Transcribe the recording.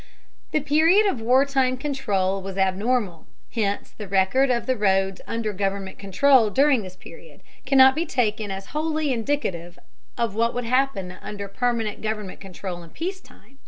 The period of war time control was abnormal, hence the record of the roads under government control during this period cannot be taken as wholly indicative of what would happen under permanent government control in peace time.